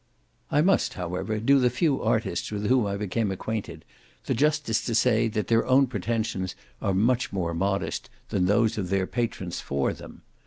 I must, however, do the few artists with whom I became acquainted, the justice to say, that their own pretensions are much more modest than those of their patrons for them.